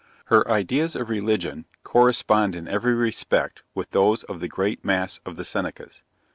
Her ideas of religion, correspond in every respect with those of the great mass of the Senecas.